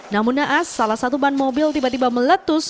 namun naas salah satu ban mobil tiba tiba meletus